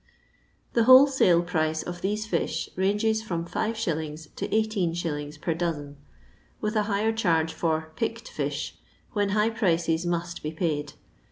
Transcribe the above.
The wholesale price of these fish ranges from fis. to 18«. per dosen, with a higher charge for " picked fish." when high prices must be paid.